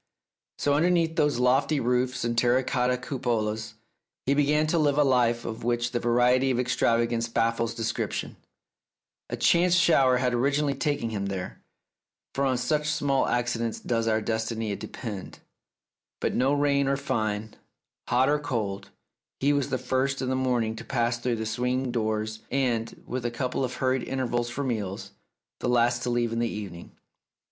So underneath those lofty roofs and terra cotta cupolas, he began to live a life of which the variety and extravagance baffles description. A chance shower had originally taken him there (for on such small accidents does our destiny depend), but now rain or fine, hot or cold, he was the first in the morn ing to pass through the swing doors and, with a couple of hurried intervals for meals, the last to leave in the evening.